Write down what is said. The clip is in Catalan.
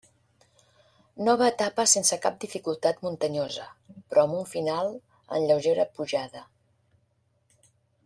Nova etapa sense cap dificultat muntanyosa, però amb un final en lleugera pujada.